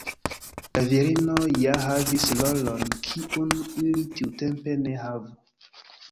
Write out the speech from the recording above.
La virinoj ja havis rolon kiun ili tiutempe ne havu.